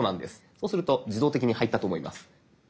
そうすると自動的に入ったと思います。